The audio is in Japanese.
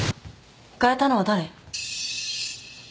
変えたのは誰？